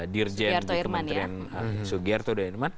dirjen di kementerian sugiyarto